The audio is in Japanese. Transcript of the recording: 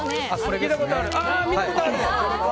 見たことある！